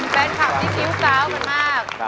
แฟนคลับที่มิ้วเก้ามาก